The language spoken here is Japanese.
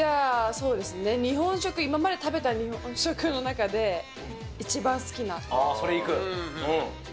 そうですね、日本食、今まで食べた日本食の中で一番好きな。